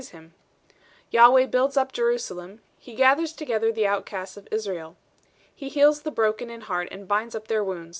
The Lord doth build up Jerusalem; he gathereth together the outcasts of Israel. He healeth the broken in heart, and bindeth up their wounds.